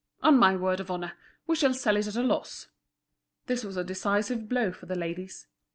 On my word of honour, we shall sell it at a loss." This was a decisive blow for the ladies.